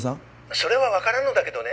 それは分からんのだけどね。